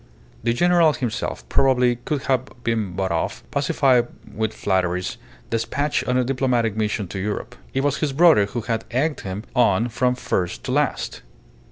The general himself probably could have been bought off, pacified with flatteries, despatched on a diplomatic mission to Europe. It was his brother who had egged him on from first to last.